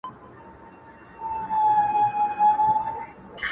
• دا یوه خبره واورۍ مسافرو -